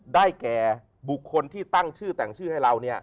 ได้แก่บุคคลที่ตั้งชื่อแต่งชื่อให้เรา